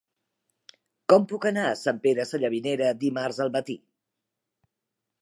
Com puc anar a Sant Pere Sallavinera dimarts al matí?